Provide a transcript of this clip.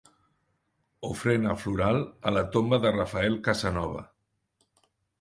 Ofrena floral a la tomba de Rafael Casanova.